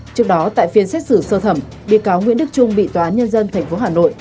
trước đó tại phiên xét xử sơ thẩm bị cáo nguyễn đức trung bị tòa án nhân dân tp hà nội